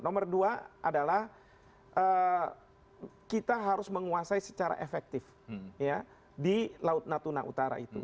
nomor dua adalah kita harus menguasai secara efektif di laut natuna utara itu